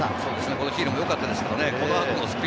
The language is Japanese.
このヒールもよかったですけどね。